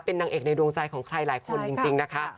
เป็นนางเอกในดวงใจของใครหลายคนจริงนะคะ